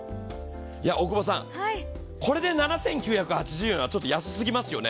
大久保さん、これで７９８０円は安すぎますよね。